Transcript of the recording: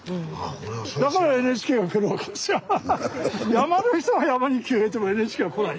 山の人が山に木を植えてもＮＨＫは来ない。